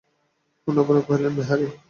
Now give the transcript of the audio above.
অন্নপূর্ণা কহিলেন, বেহারী!